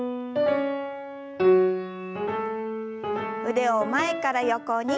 腕を前から横に。